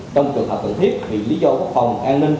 trong trường hợp cần thiết vì lý do quốc phòng an ninh